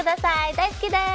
大好きです。